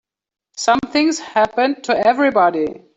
Something's happened to everybody.